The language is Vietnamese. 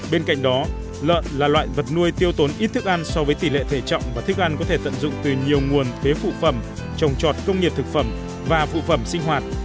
bên cạnh đó lợn là loại vật nuôi tiêu tốn ít thức ăn so với tỷ lệ thể trọng và thức ăn có thể tận dụng từ nhiều nguồn phế phụ phẩm trồng trọt công nghiệp thực phẩm và phụ phẩm sinh hoạt